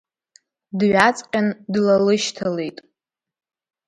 Дҩаҵҟьан, длалышьҭалеит.